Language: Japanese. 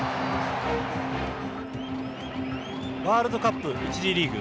ワールドカップ１次リーグ。